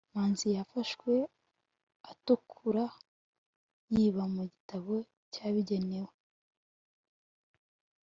manzi yafashwe atukura, yiba mu gitabo cyabigenewe